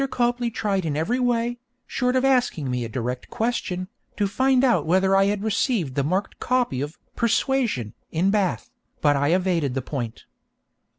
Copley tried in every way, short of asking me a direct question, to find out whether I had received the marked copy of 'Persuasion' in Bath, but I evaded the point.